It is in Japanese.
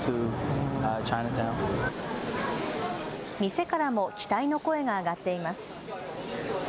店からも期待の声が上がっています。